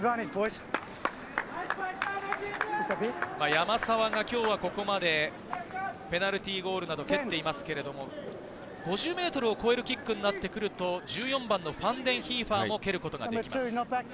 山沢が今日はここまでペナルティーゴールなどを蹴っていますけれど、５０ｍを超えるキックになってくると、１４番のファンデンヒーファーも蹴ることができます。